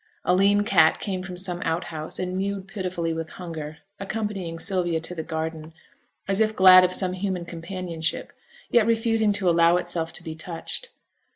A lean cat came from some outhouse, and mewed pitifully with hunger; accompanying Sylvia to the garden, as if glad of some human companionship, yet refusing to allow itself to be touched.